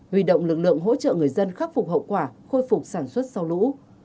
huy động lực lượng hỗ trợ người dân khắc phục hậu quả khôi phục sản xuất sau lũ